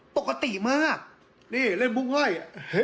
ปกติมากนี่เล่นบุ้งห้อย